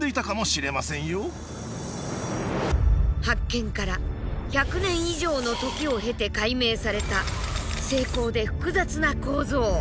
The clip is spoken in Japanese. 発見から１００年以上の時を経て解明された精巧で複雑な構造。